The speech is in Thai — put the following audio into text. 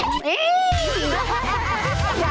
ตอบว่า